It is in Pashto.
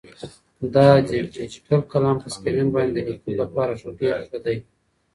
دا ډیجیټل قلم په سکرین باندې د لیکلو لپاره ډېر ښه دی.